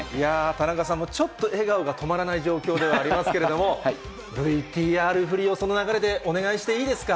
田中さんもちょっと笑顔が止まらない状況ではありますけれども、ＶＴＲ振りをその流れでお願いしていいですか？